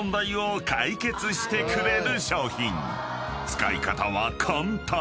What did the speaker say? ［使い方は簡単］